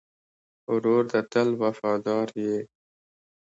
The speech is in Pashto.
ورور ته تل وفادار یې.